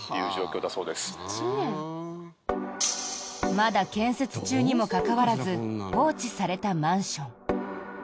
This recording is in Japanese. まだ建設中にもかかわらず放置されたマンション。